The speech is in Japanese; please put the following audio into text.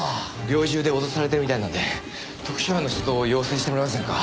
猟銃で脅されてるみたいなんで特殊班の出動を要請してもらえませんか？